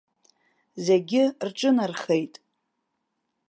Зегьы рҿынархеит.